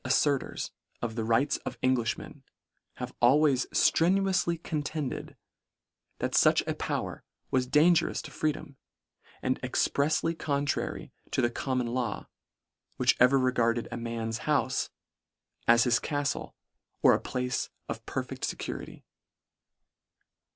aflerters of the rights of Englishmen, have always ftrenuoufly contend ed, that fuch a power was dangerous to free dom, and exprefsly contrary to the common law, which ever regarded a man's houfe, as his caftle, or a place of perfect fecurity.